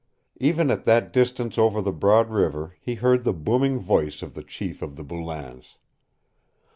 Even at that distance over the broad river he heard the booming voice of the chief of the Boulains.